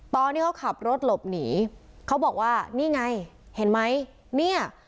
ตอนที่เขาขับรถหลบหนีเขาบอกว่านี่ไงเห็นไหมเนี่ย